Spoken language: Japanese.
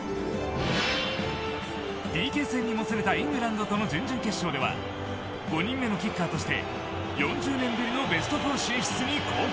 ＰＫ戦にもつれたイングランドとの準々決勝では５人目のキッカーとして４０年ぶりのベスト４進出に貢献。